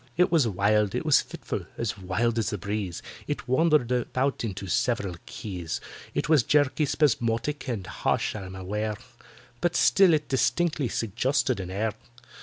It was wild—it was fitful—as wild as the breeze— It wandered about into several keys; It was jerky, spasmodic, and harsh, I'm aware; But still it distinctly suggested an air.